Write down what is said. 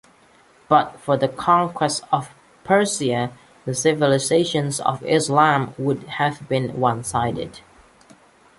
But for the conquest of Persia, the civilisation of Islam would have been one-sided.